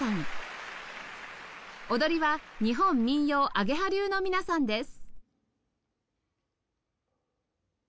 踊りは日本民踊鳳蝶流の皆さんです